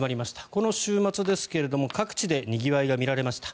この週末ですが各地でにぎわいが見られました。